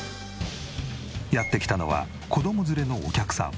やって来たのは子ども連れのお客さん。